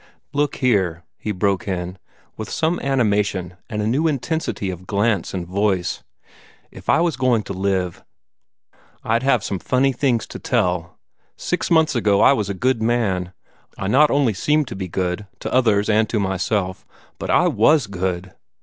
"Look here!" he broke in, with some animation and a new intensity of glance and voice. "If I was going to live, I'd have some funny things to tell. Six months ago I was a good man. I not only seemed to be good, to others and to myself, but I was good.